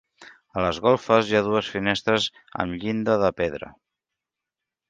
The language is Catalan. A les golfes hi ha dues finestres amb llinda de pedra.